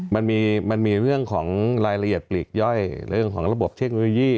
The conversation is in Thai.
มันมีเรื่องของรายละเอียดปลีกย่อยเรื่องของระบบเทคโนโลยี